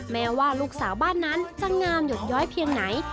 แม้ว่าลูกสาวบ้านนั้นจะงามหยดย้อยเพียงไหน